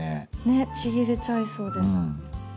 ねえちぎれちゃいそうで。